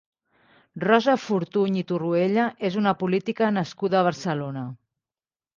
Rosa Fortuny i Torroella és una política nascuda a Barcelona.